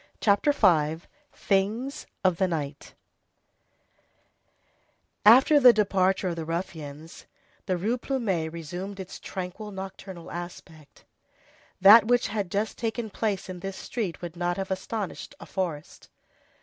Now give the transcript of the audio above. CHAPTER V—THINGS OF THE NIGHT After the departure of the ruffians, the Rue Plumet resumed its tranquil, nocturnal aspect. That which had just taken place in this street would not have astonished a forest.